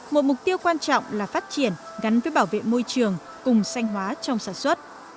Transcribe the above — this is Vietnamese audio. một mục tiêu quan trọng là phát triển gắn với bảo vệ môi trường cùng xanh hóa trong sản xuất